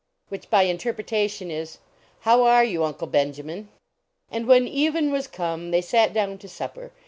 which by interpretation is, " How an you, Uncle Benjamin?" And when even was come they sat down to supper.